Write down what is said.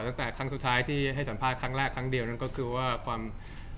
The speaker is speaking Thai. ตั้งแต่ครั้งสุดท้ายที่ให้สัมภาษณ์ครั้งแรกครั้งเดียวนั่นก็คือว่าความ